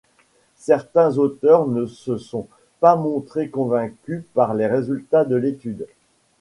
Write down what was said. Certains auteurs ne se sont pas montrés convaincus par les résultats de l'étude.